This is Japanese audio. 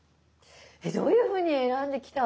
えっどういうふうに選んできた。